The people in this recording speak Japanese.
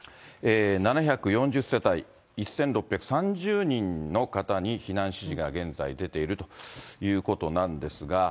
７４０世帯１６３０人の方に避難指示が現在出ているということなんですが。